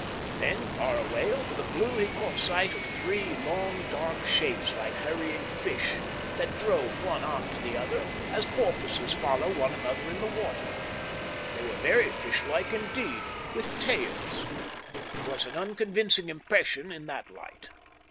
Then far, away over the blue he caught sight of three long, dark shapes like hurrying fish that drove one after the other, as porpoises follow one another in the water. They were very fish like indeed with tails. It was an unconvincing impression in that light.